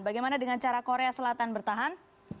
bagaimana dengan cara korea selatan bertahan